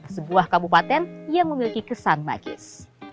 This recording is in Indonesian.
sebuah kabupaten yang memiliki kesan magis